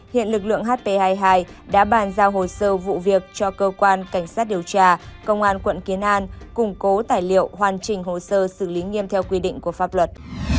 hiện lực lượng hp hai mươi hai đã bàn giao hồ sơ vụ việc cho cơ quan cảnh sát điều tra công an quận kiến an củng cố tài liệu hoàn chỉnh hồ sơ xử lý nghiêm theo quy định của pháp luật